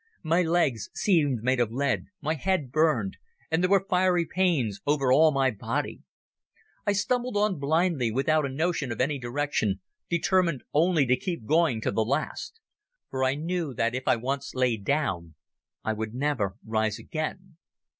My legs seemed made of lead, my head burned, and there were fiery pains over all my body. I stumbled on blindly, without a notion of any direction, determined only to keep going to the last. For I knew that if I once lay down I would never rise again.